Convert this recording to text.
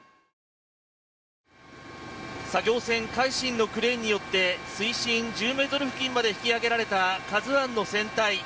作業船「海進」のクレーンによって水深１０ｍ付近まで引き揚げられた「ＫＡＺＵ１」の船体。